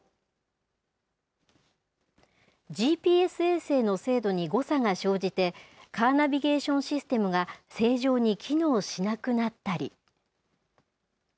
ＧＰＳ衛星の精度に誤差が生じて、カーナビゲーションシステムが正常に機能しなくなったり。